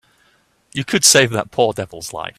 You could save that poor devil's life.